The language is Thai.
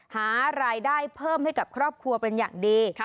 หารายได้เพิ่มให้กับครอบครัวเป็นอย่างดี